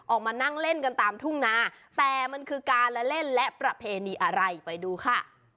ออกมานั่งเล่นกันตามทุ่งนาแต่มันคือการละเล่นและประเพณีอะไรไปดูค่ะ